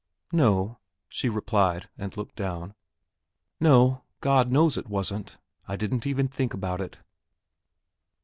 "No," she replied and looked down. "No; God knows it wasn't. I didn't even think about it."